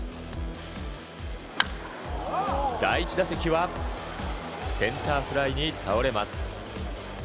第１打席はセンターフライに倒れます。